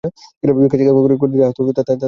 ভিক্ষাশিক্ষা করে যা আসত, তাতেই সব চলে যেত।